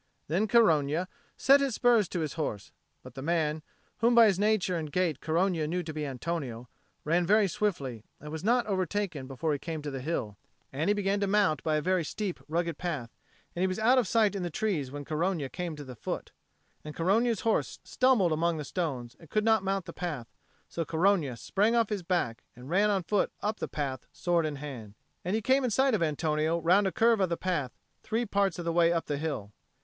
Then Corogna set spurs to his horse; but the man, whom by his stature and gait Corogna knew to be Antonio, ran very swiftly, and was not overtaken before he came to the hill; and he began to mount by a very steep rugged path, and he was out of sight in the trees when Corogna came to the foot. And Corogna's horse stumbled among the stones, and could not mount the path; so Corogna sprang off his back and ran on foot up the path, sword in hand. And he came in sight of Antonio round a curve of the path three parts of the way up the hill.